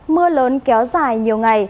mưa lớn kéo dài nhiều ngày